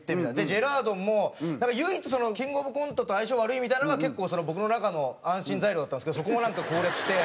ジェラードンも唯一キングオブコントと相性悪いみたいなのが結構僕の中の安心材料だったんですけどそこもなんか攻略して。